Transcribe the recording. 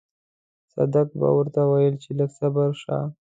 صدک به ورته ويل چې لږ صبر شه.